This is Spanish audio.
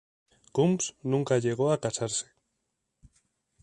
Coombs nunca llegó a casarse.